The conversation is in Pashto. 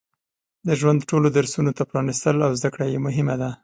د ژوند ټولو درسونو ته پرانستل او زده کړه یې مهمه ده.